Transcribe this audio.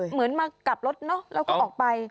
เหมือนมากลับรถเนอะแล้วก็ออกไป